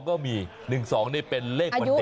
ก็มี๑๒นี่เป็นเลขวันเด็ก